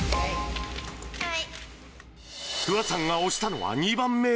不破さんが押したのは２番目。